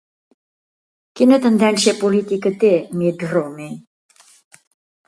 Quina tendència política té Mitt Rommey?